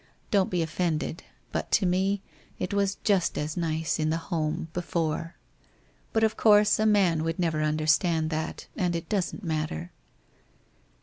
Don't be offended, but to me, it was just as nice, in the Home, before . But of course a man would never understand that, and it doesn't matter.